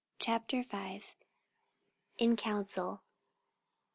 CHAPTER V. IN COUNCIL.